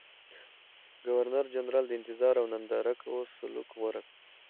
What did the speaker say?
ګورنرجنرال د انتظار او ننداره کوه سلوک غوره کړ.